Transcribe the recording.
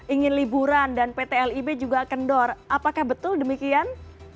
ingin liburan dan pt lib juga kendor apakah betul demikian